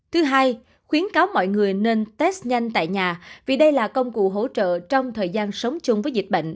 thứ hai khuyến cáo mọi người nên test nhanh tại nhà vì đây là công cụ hỗ trợ trong thời gian sống chung với dịch bệnh